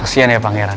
kasihan ya pangeran